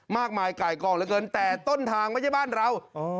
มากมายไก่กองเหลือเกินแต่ต้นทางไม่ใช่บ้านเรา